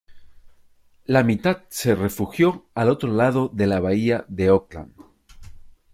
La mitad se refugió al otro lado de la Bahía de Oakland.